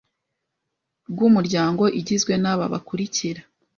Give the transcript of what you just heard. rw Umuryango igizwe n aba bakurikira